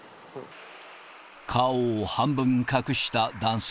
顔を半分隠した男性。